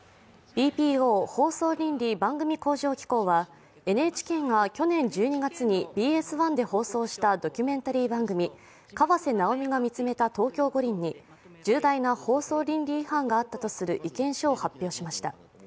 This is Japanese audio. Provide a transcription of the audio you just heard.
ＢＰＯ＝放送倫理・番組向上機構はＮＨＫが去年１２月にＢＳ１で放送したドキュメンタリー番組「河瀬直美が見つめた東京五輪」に重大な放送倫理違反があったとする意見書を発表しました。